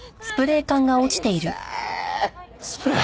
スプレー？